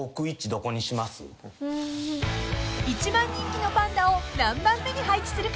［一番人気のパンダを何番目に配置するか］